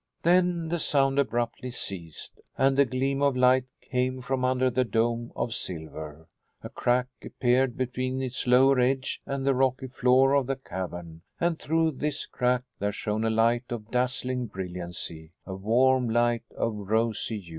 Then the sound abruptly ceased and a gleam of light came from under the dome of silver. A crack appeared between its lower edge and the rocky floor of the cavern, and through this crack there shone a light of dazzling brilliancy a warm light of rosy hue.